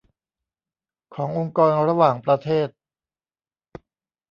ขององค์กรระหว่างประเทศ